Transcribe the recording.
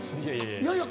いやいや。